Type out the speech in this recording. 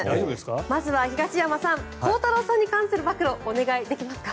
まずは東山さん鋼太郎さんに関する暴露お願いできますか。